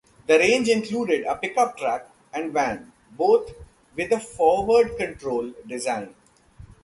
The range included a pickup truck and van, both with a "forward control" design.